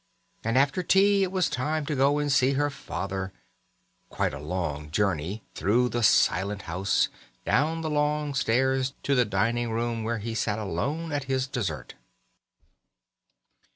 And after tea it was time to go and see her father quite a long journey, through the silent house, down the long stairs to the dining room where he sat alone at his dessert.